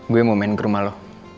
gue mau main ke rumah loh